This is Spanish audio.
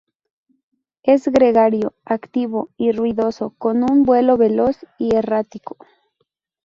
Es gregario, activo y ruidoso con un vuelo veloz y errático.